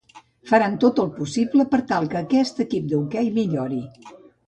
Faran tot el possible per tal que aquest equip d'hoquei millori.